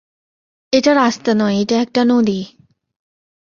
এটা রাস্তা নয়, এটা একটা নদী।